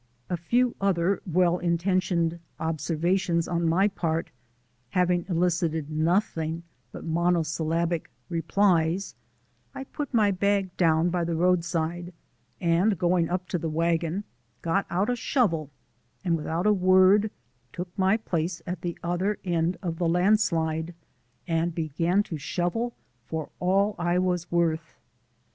A few other well intentioned observations on my part having elicited nothing but monosyllabic replies, I put my bag down by the roadside and, going up to the wagon, got out a shovel, and without a word took my place at the other end of the landslide and began to shovel for all I was worth.